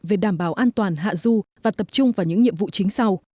về đảm bảo an toàn hạ du và tập trung vào những nhiệm vụ chính sau